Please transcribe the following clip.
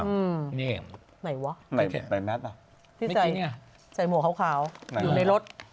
อืมนี่ไหนวะไหนแมทอ่ะที่ใส่ใส่หัวขาวอยู่ในรถ